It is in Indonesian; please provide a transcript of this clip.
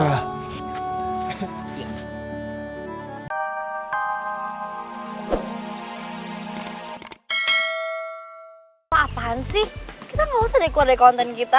apaan sih kita gak usah dekorasi konten kita